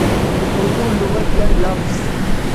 اردو لغت یا لفظ